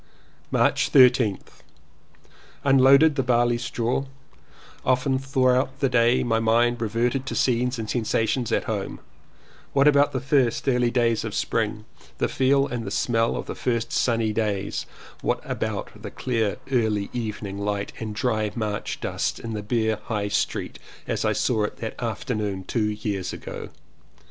March 13th. Unloaded barley straw. Often through out the day my mind reverted to scenes and sensations at home. What about the first 2G4 LLEWELLYN POWYS early days of Spring? The feel and the smell of the first sunny days? What about the clear early evening light and dry March dust in Bere High Street as I saw it that afternoon two years ago?